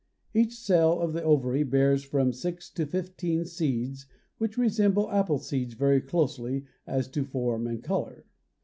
Each cell of the ovary bears from six to fifteen seeds which resemble apple seeds very closely as to form and color.